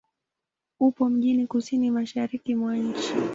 Upo mjini kusini-mashariki mwa nchi.